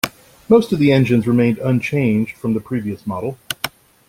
Most of the engines remained unchanged from the previous model.